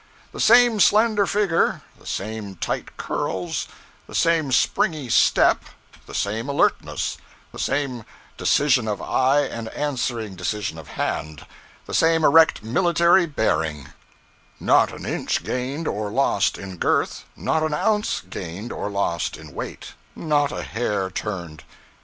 The same slender figure, the same tight curls, the same springy step, the same alertness, the same decision of eye and answering decision of hand, the same erect military bearing; not an inch gained or lost in girth, not an ounce gained or lost in weight, not a hair turned.